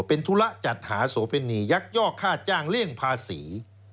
เป็นทุระจัดหาศจภินียักษ์ย่อค่าจ้างเลี่ยงภาษี